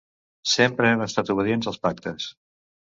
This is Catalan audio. Sempre hem estat obedients als pactes.